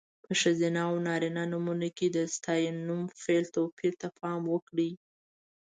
په ښځینه او نارینه نومونو کې د ستاینوم، فعل... توپیر ته پام وکړئ.